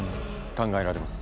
考えられます